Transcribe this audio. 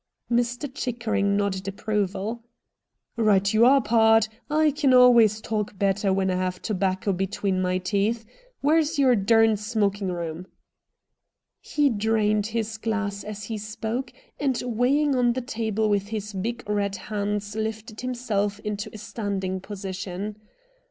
Mr. Chickering nodded approval. ' Right you are, pard. I can always talk better when I have tobacco between my teeth. Where's your derned smoking room .^' He drained his glass as he spoke, and weighing on the table with his big red hands lifted himself into a standing position.